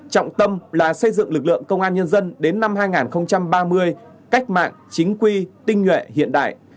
trọng tâm là xây dựng lực lượng công an nhân dân đến năm hai nghìn ba mươi cách mạng chính quy tinh nhuệ hiện đại